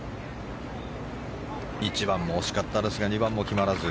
１番も惜しかったですが２番も決まらず。